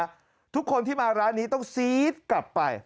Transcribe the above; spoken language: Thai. รับประทานเนื้อทุกคนที่มาร้านนี้ต้องซี๊ดกลับไป